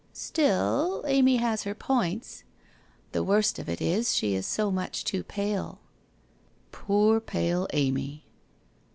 ' Still Amy has her points. The worst of it is, she is so much too pale.' ' Poor pale Amy